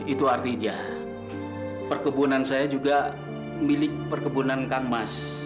itu artinya perkebunan saya juga milik perkebunan kang mas